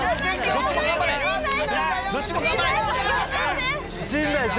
どっちも頑張れ！